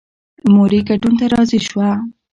مور یې ګډون ته راضي شوه.